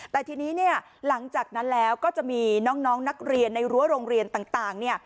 แต่ทีนี้เนี่ยหลังจากนั้นแล้วก็จะมีน้องนักเรียนในรั้วโรงเรียนต่างเนี่ย